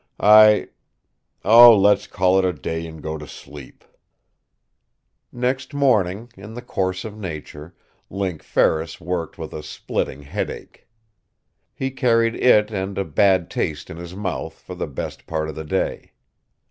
I Oh, let's call it a day and go to sleep." Next morning, in the course of nature, Link Ferris worked with a splitting headache. He carried it and a bad taste in his mouth, for the best part of the day.